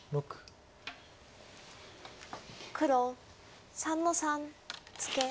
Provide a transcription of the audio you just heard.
黒３の三ツケ。